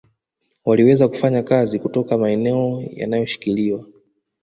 Waliweza kufanya kazi kutoka maeneo yanayoshikiliwa